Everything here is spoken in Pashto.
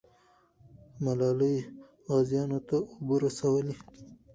ملالۍ غازیانو ته اوبه رسولې.